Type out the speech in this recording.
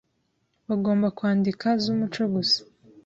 bagomba kwandika z'umuco gusa